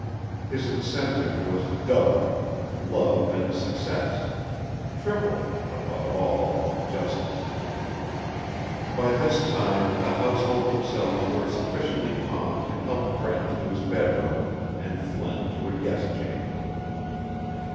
His incentive was double love and success: triple above all, justice. By this time the household themselves were sufficiently calm to help Brent to his bedroom and Flint to a guest chamber.